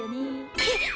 えっ！？